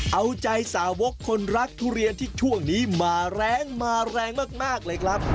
เอาใจสาวกคนรักทุเรียนที่ช่วงนี้มาแรงมาแรงมากเลยครับ